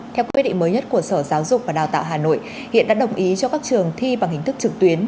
theo quyết định mới nhất của sở giáo dục và đào tạo hà nội hiện đã đồng ý cho các trường thi bằng hình thức trực tuyến